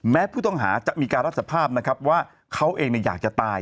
แม้ผู้ตั้งหาจะมีการรักษภาพว่าเขาเองอยากจะตาย